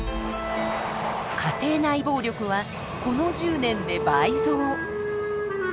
家庭内暴力はこの１０年で倍増。